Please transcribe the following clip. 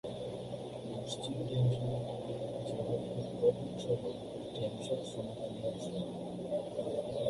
পশ্চিম ঢেমশা ইউনিয়নে যোগাযোগের প্রধান সড়ক ঢেমশা-সোনাকানিয়া সড়ক।